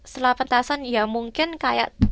setelah pentasan ya mungkin kayak